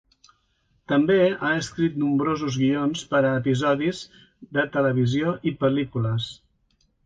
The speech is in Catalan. També ha escrit nombrosos guions per a episodis de televisió i pel·lícules.